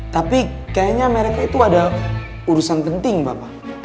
tapi kayaknya mereka itu ada urusan penting bapak